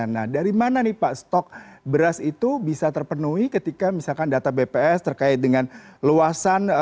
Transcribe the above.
nah dari mana nih pak stok beras itu bisa terpenuhi ketika misalkan data bps terkait dengan luasan